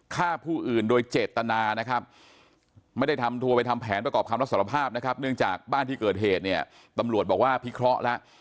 ฆ่าผู้อื่นโดยเจตนานะครับไม่ได้ทำทัวร์ไปทำแผนประกอบคำรับสารภาพนะครับเนื่องจากบ้านที่เกิดเหตุเนี่ยตำรวจบอกว่าพิเคราะห์แล้ว